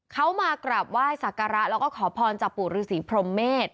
เขามากราบไหว้สักการะแล้วก็ขอพรจากปู่ฤษีพรมเมษ